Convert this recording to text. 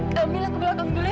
kamu bilang dulu kamu dulu ya